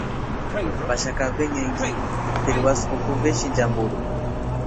Vashaka vyenyengi mfiri wa sukuku veshinja mburu.